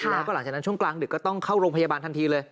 แล้วก็หลังจากนั้นช่วงกลางดึกก็ต้องเข้าโรงพยาบาลทันทีเลย